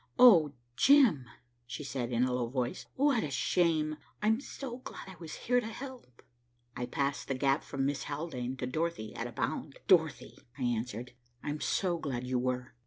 "Oh, Jim," she said, in a low voice, "what a shame. I am so glad I was here to help." I passed the gap from Miss Haldane to Dorothy at a bound. "Dorothy," I answered, "I'm so glad you were."